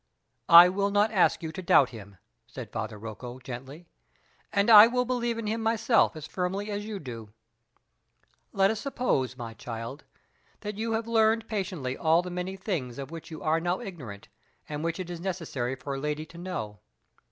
"I will not ask you to doubt him," said Father Rocco, gently; "and I will believe in him myself as firmly as you do. Let us suppose, my child, that you have learned patiently all the many things of which you are now ignorant, and which it is necessary for a lady to know.